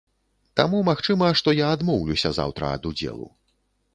Таму магчыма, што я адмоўлюся заўтра ад удзелу.